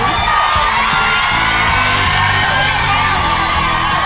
เดี๋ยวมัดยาน